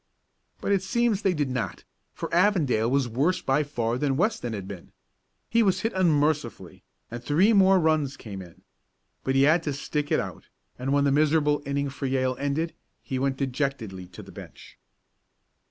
But it seems they did not, for Avondale was worse by far than Weston had been. He was hit unmercifully, and three more runs came in. But he had to stick it out, and when the miserable inning for Yale ended he went dejectedly to the bench.